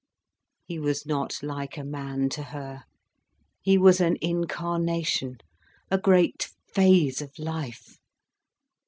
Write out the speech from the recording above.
He was not like a man to her, he was an incarnation, a great phase of life.